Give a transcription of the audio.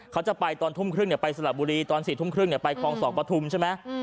เขาจะไปตอนทุ่มครึ่งเนี่ยไปสลับบุรีตอนสี่ทุ่มครึ่งเนี่ยไปคองศอกประทุมใช่ไหม